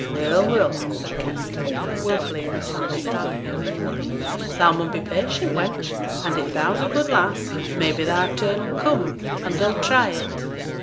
'Well, well!' said Kester, wilfully misunderstanding her meaning, 'thou mun be patient, wench; and if thou's a good lass, may be thy turn 'll come and they 'll try it.'